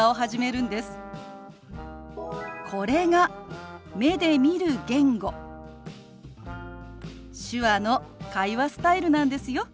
これが目で見る言語手話の会話スタイルなんですよ。